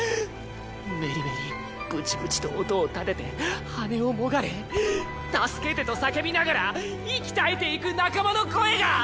メリメリブチブチと音を立てて羽をもがれ助けてと叫びながら息絶えていく仲間の声が！